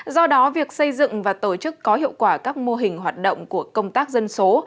do đó việc xây dựng và tổ chức có hiệu quả các mô hình hoạt động của công tác dân số